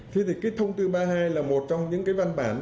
thế thì cái thông tư ba mươi hai là một trong những cái văn bản